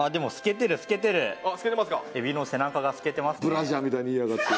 ブラジャーみたいに言いやがって。